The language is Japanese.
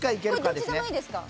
これどっちでもいいですか？